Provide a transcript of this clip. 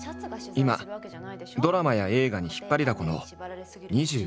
今ドラマや映画に引っ張りだこの２５歳。